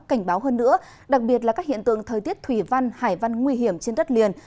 cảnh báo hơn nữa đặc biệt là các hiện tượng thời tiết thủy văn hải văn nguy hiểm trên đất liền